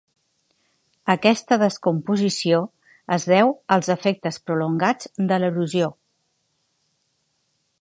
Aquesta descomposició es deu als efectes prolongats de l'erosió.